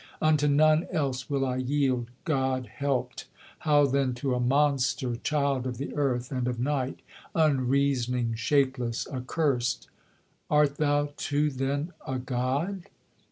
Unto none else will I yield, god helped: how then to a monster, Child of the earth and of night, unreasoning, shapeless, accursed?' 'Art thou, too, then a god?'